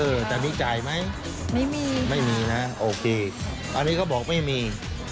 เออแต่มีจ่ายไหมไม่มีไม่มีนะโอเคอันนี้เขาบอกไม่มี